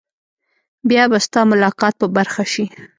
بیا به ستا ملاقات په برخه شي.